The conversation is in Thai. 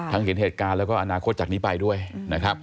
เห็นเหตุการณ์แล้วก็อนาคตจากนี้ไปด้วยนะครับ